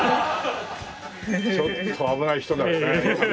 ちょっと危ない人だよね。